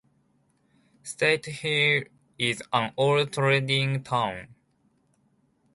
Stathelle is an old trading town.